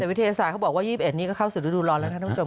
วิทยาศาสตร์เขาบอกว่า๒๑นี้ก็เข้าสู่ฤดูร้อนแล้วนะท่านผู้ชม